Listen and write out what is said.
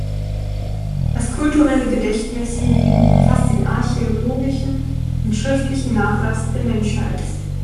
Das kulturelle Gedächtnis hingegen umfasst den archäologischen und schriftlichen Nachlass der Menschheit.